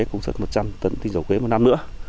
công suất một trăm linh tấn tinh dầu quế một năm nữa